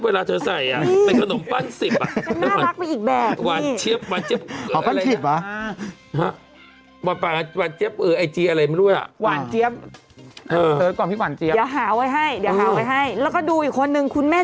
พี่หวานเจี๊ยบก็ใส่หรือ